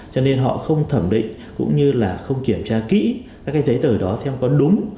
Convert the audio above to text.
cho nên họ không thẩm định cũng như là không kiểm tra kỹ các giấy tờ đó xem có đúng